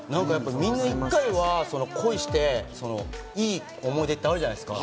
みんな１回は恋をしていい思い出があるじゃないですか。